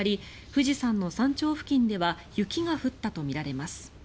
富士山の山頂付近では雪が降ったとみられます。